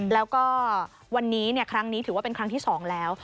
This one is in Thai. แล้วก็วันนี้ครั้งนี้ถือว่าเป็นครั้งที่๒แล้ว